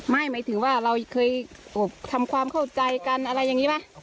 หมายถึงว่าเราเคยทำความเข้าใจกันอะไรอย่างนี้ไหม